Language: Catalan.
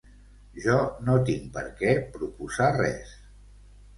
Jo no tinc per què proposar res.